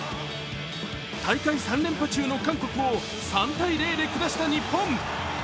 大会３連覇中の韓国を３−０で下した日本。